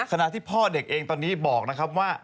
ขณะที่พ่อเด็กเองตอนนี้บอกนะครับว่า